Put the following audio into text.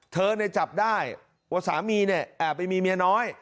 เธอนายจับได้ว่าสามีแอบไปมีเมียน้อย